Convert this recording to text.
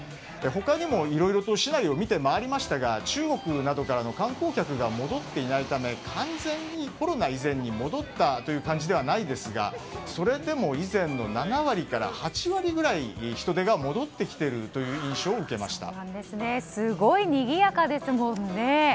他にもいろいろと市内を見て回りましたが中国からの観光客が戻っていないため完全にコロナ以前に戻ったという感じではないんですがそれでも以前の７割から８割ぐらい人出が戻ってきているというすごいにぎやかですもんね。